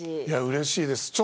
いや、うれしいです。